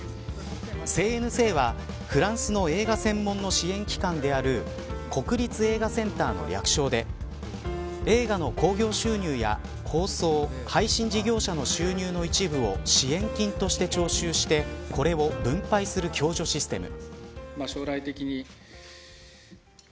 ＣＮＣは、フランスの映画専門の支援機関である国立映画センターの略称で映画の興行収入や放送配信事業者の収入の一部を支援金として徴収してこれを分配する共助システム。